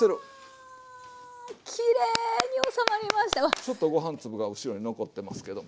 ちょっとご飯粒が後ろに残ってますけども。